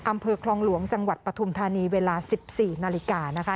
อำเภอคลองหลวงจังหวัดปฐุมธานีเวลา๑๔นาฬิกานะคะ